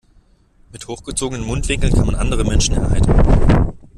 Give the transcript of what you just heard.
Mit hochgezogenen Mundwinkeln kann man andere Menschen erheitern.